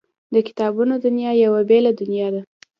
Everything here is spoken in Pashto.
د کتابونو دنیا یوه بېله دنیا ده